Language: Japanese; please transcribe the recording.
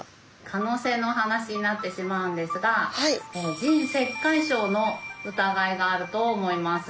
可能性の話になってしまうんですが腎石灰症の疑いがあると思います。